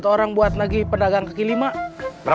sekarang aku lah quecek hi web camera